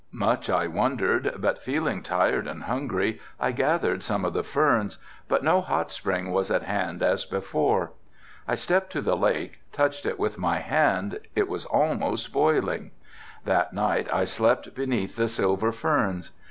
Much I wondered, but being tired and hungry I gathered some of the ferns, but no hot spring was at hand as before. I stepped to the lake, touched it with my hand, it was almost boiling. That night I slept beneath the silver ferns.